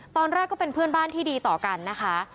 ตอนแรกก็เป็นเพื่อนบ้านที่ดีต่อกันนะคะ